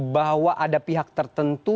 bahwa ada pihak tertentu